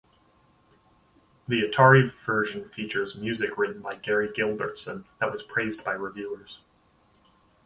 The Atari version features music written by Gary Gilbertson that was praised by reviewers.